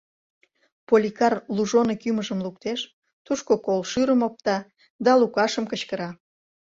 Поликар лужоный кӱмыжым луктеш; тушко кол шӱрым опта да Лукашым кычкыра.